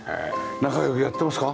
仲良くやってますか？